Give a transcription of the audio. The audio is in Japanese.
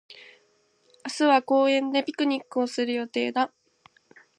明日は公園でピクニックをする予定だ。